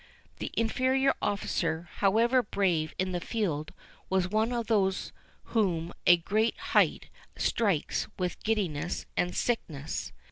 The inferior officer, however brave in the field, was one of those whom a great height strikes with giddiness and sickness.